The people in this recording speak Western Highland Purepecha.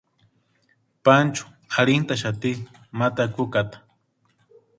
Panchu arhintaxati ma takukata.